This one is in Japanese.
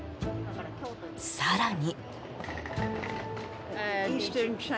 更に。